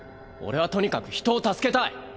俺はとにかく人を助けたい。